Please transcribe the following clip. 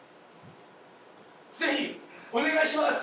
ぜひお願いします！